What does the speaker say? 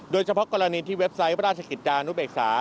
โดยเฉพาะกรณีที่เว็บไซต์ราชกิจจานุเบกษา